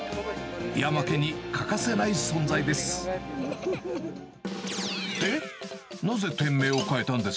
岩間家に欠かせない存在です。